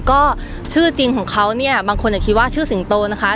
ก็ชื่อจริงของเขาเนี่ยบางคนคิดว่าชื่อสิงโตนะคะ